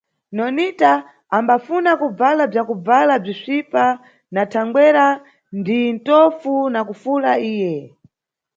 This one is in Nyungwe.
Nonita ambafuna kubvala bzakubvala bzisvipa na thangwera ndi ntofu na kufula iye.